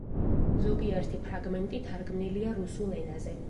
ზოგიერთი ფრაგმენტი თარგმნილია რუსულ ენაზე.